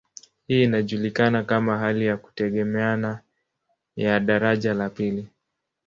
Hii inajulikana kama hali ya kutegemeana ya daraja la pili.